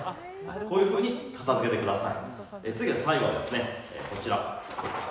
こういうふうに片付けてください。